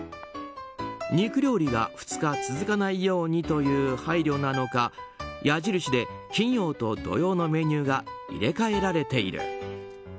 肉料理が２日続かないようにという配慮なのか矢印で金曜と土曜のメニューが入れ替えられている。